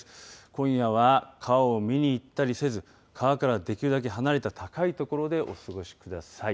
今夜は川を見に行ったりせず川からできるだけ離れた高い所でお過ごしください。